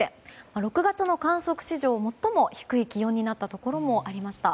６月の観測史上最も低い気温になったところもありました。